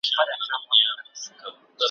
له نويو تحقيقاتو سره